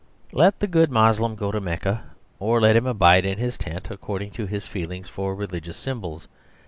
Let the good Moslem go to Mecca, or let him abide in his tent, according to his feelings for religious symbols.